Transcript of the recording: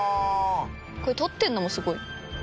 これ撮ってるのもすごい。